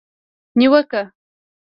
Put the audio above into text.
نیوکه